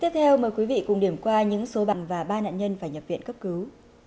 tiếp theo mời quý vị cùng điểm qua những số bằng và ba nạn nhân phải nhập viện cấp cứu